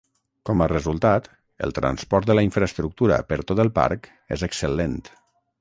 Com a resultat, el transport de la infraestructura per tot el parc és excel·lent.